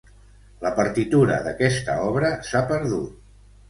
La partitura d'aquesta obra s'ha perdut.